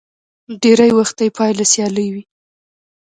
ډېری وخت يې پايله سیالي وي.